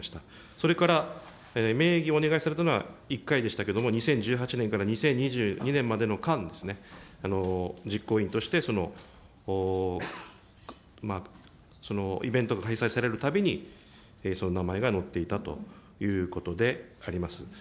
それから名義をお願いされたのは１回でしたけども２０１８年から２０２２年までの間ですね、実行委員としてイベントが開催されるたびに、その名前が載っていたということであります。